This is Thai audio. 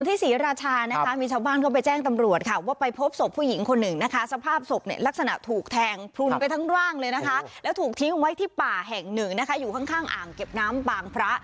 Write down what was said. ศรีราชานะคะมีชาวบ้านเข้าไปแจ้งตำรวจค่ะว่าไปพบศพผู้หญิงคนหนึ่งนะคะสภาพศพเนี่ยลักษณะถูกแทงพลุนไปทั้งร่างเลยนะคะแล้วถูกทิ้งไว้ที่ป่าแห่งหนึ่งนะคะอยู่ข้างข้างอ่างเก็บน้ำบางพระ